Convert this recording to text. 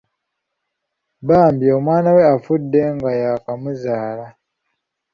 Bambi omwana we afudde nga yakamuzaala.